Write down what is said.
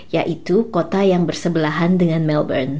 yaitu kota yang bersebelahan dengan melbourne